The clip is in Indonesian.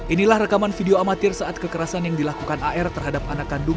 inilah rekaman video amatir saat kekerasan yang dilakukan ar terhadap anggota satuan lintas di kowasan bondowoso